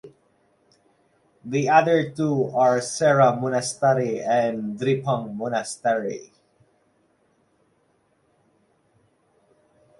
The other two are Sera Monastery and Drepung Monastery.